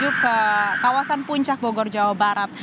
menuju ke kawasan puncak bogor jawa barat